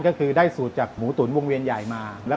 แล้วก็มีหมูบดหมูหมัดท็อปปิ้งด้วยไก่กรอบของเรา